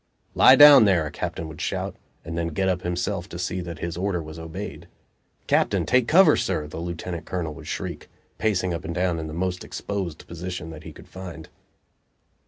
"Lie down, there!" a captain would shout, and then get up himself to see that his order was obeyed. "Captain, take cover, sir!" the lieutenant colonel would shriek, pacing up and down in the most exposed position that he could find.